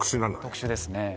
特殊ですね